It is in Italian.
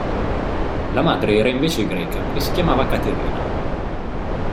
La madre era invece greca e si chiamava Caterina.